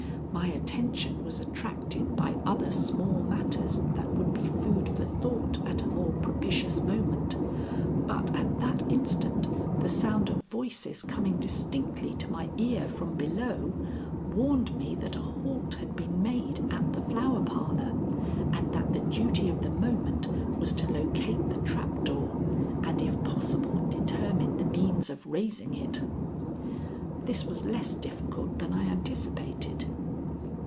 My attention was attracted by other small matters that would be food for thought at a more propitious moment, but at that instant the sound of voices coming distinctly to my ear from below, warned me that a halt had been made at the Flower Parlor, and that the duty of the moment was to locate the trap door and if possible determine the means of raising it. This was less difficult than I anticipated.